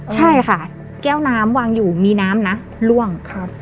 ใช่ค่ะแก้วน้ำวางอยู่มีน้ำนะล่วง